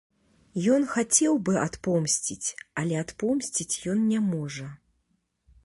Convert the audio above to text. Ён хацеў бы адпомсціць, але адпомсціць ён не можа.